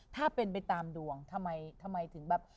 ถ้าเป็นไปตามดวงทำไมทำไมถึงแบบ